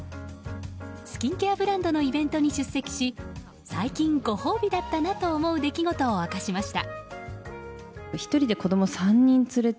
スキンケアブランドのイベントに出席し最近、ご褒美だったなと思う出来事を明かしました。